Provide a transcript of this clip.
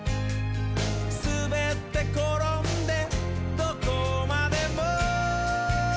「すべってころんでどこまでも」